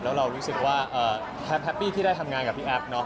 แล้วเรารู้สึกว่าแฮปปี้ที่ได้ทำงานกับพี่แอฟเนาะ